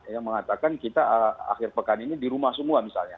yang mengatakan kita akhir pekan ini di rumah semua misalnya